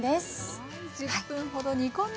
はい。